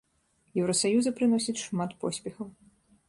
Еўрасаюза прыносіць шмат поспехаў.